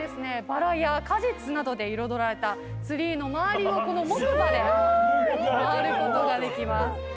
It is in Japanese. バラや果実などで彩られたツリーの周りをこの木馬で回ることができます。